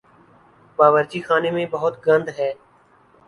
باورچی خانے میں بہت گند ہے